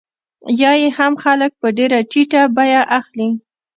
یا یې هم خلک په ډېره ټیټه بیه اخلي